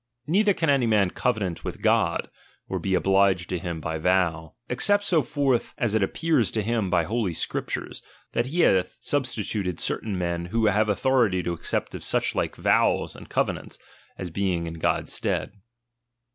Neither can any man covenant with God, or be obliged to him by vow ; except so far forth as it appears to him by Holy Scriptures, that he hath substituted certain men who have authority to accept of such like vows and covenants, as being in God's stead.